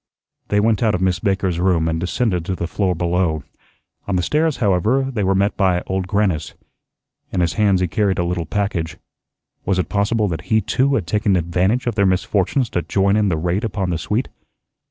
They went out of Miss Baker's room and descended to the floor below. On the stairs, however, they were met by Old Grannis. In his hands he carried a little package. Was it possible that he too had taken advantage of their misfortunes to join in the raid upon the suite?